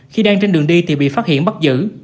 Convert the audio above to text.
khi đang trên đường đi thì bị phát hiện bắt giữ